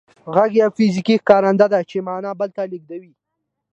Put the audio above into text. غږ یو فزیکي ښکارنده ده چې معنا بل ته لېږدوي